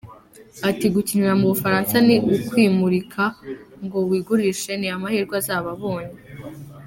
Ati” Gukinira mu Bufaransa ni ukwimurika ngo wigurishe ni amahirwe azaba abonye.